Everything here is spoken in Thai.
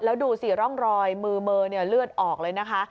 แล้วดูสิร่องรอยมือเมอเลือดออกเลยนะคะ